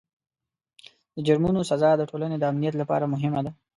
د جرمونو سزا د ټولنې د امنیت لپاره مهمه ده.